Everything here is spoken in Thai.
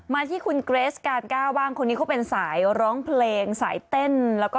มาที่คุณเกรสการก้าวบ้างคนนี้เขาเป็นสายร้องเพลงสายเต้นแล้วก็